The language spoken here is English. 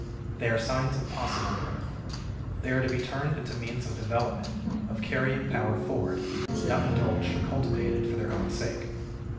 They are signs of possible growth. They are to be turned into means of development, of carrying power forward, not indulged or cultivated for their own sake.